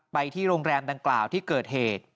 ไปที่โรงแรมดังกล่าวที่เกิดเหตุ